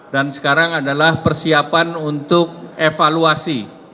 dan sekarang adalah persiapan untuk evaluasi